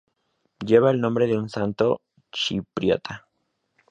Lleva el nombre de un santo chipriota.